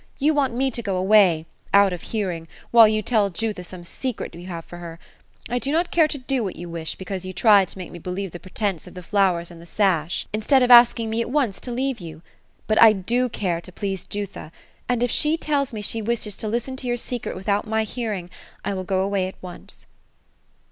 You want me to go away, — out of hearing, while you tell Jutha some secret you have for her. I do not care to do what you wish, because you tried to make me believe the pretence of the flowers and the sash, instead of 2 1 4 OPHELIA ; asking me at once to leave you. Bat I do care to please Jutlia ; and if she tells me she wishes to listen to jour secret without my hearing, I will go away at once."